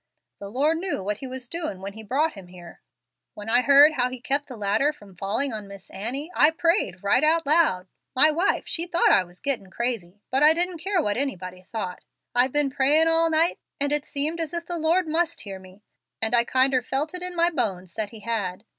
The Lord knew what He was doin' when He brought him here) when I heard how he kept the ladder from falling on Miss Annie, I prayed right out loud. My wife, she thought I was gettin' crazy. But I didn't care what anybody thought. I've been prayin' all night, and it seemed as if the Lord must hear me, and I kinder felt it in my bones that He had.